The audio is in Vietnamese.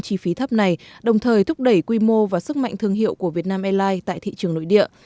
chi phí thấp này đồng thời thúc đẩy quy mô và sức mạnh thương hiệu của việt nam airlines tại thị trường nội địa